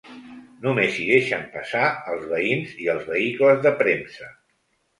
Només hi deixen passar els veïns i els vehicles de premsa.